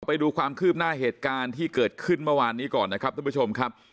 ไปดูความคืบหน้าเหตุการณ์ที่เกิดขึ้นเมื่อวานนี้ก่อนนะครับทุกผู้ชมครับ